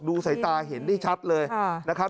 สายตาเห็นได้ชัดเลยนะครับ